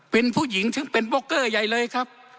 เป็นผู้หญิงซึ่งเป็นบล็อกเกอร์ใหญ่เลยครับ